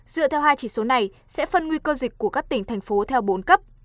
dựa theo hai chỉ số này sẽ phân nguy cơ dịch của các tỉnh thành phố theo bốn cấp